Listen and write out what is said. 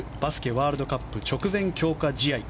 ワールドカップ直前強化試合。